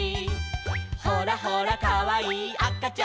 「ほらほらかわいいあかちゃんも」